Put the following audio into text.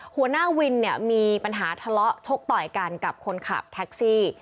หัวหน้าวินเนี่ยมีปัญหาทะเลาะชกต่อยกันกับคนขับแท็กซี่